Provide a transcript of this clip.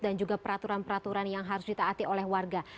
dan juga peraturan peraturan yang harus ditaati oleh warga